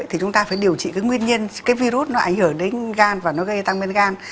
thì chúng ta phải điều trị cái nguyên nhân cái virus nó ảnh hưởng đến gan và nó gây tăng men gan